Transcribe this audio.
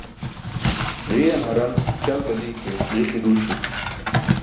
Ġiiyaṅ haraṅ ćal bali ke ġiiki duuśi